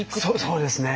そうですね。